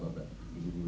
supaya cepat sekolah